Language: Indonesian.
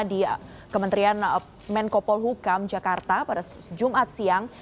di kementerian menkopol hukam jakarta pada jumat siang